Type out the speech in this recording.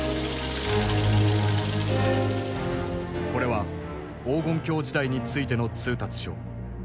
これは「黄金狂時代」についての通達書。